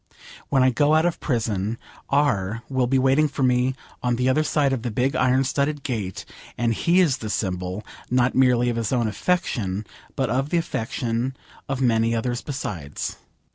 When I go out of prison, R will be waiting for me on the other side of the big iron studded gate, and he is the symbol, not merely of his own affection, but of the affection of many others besides.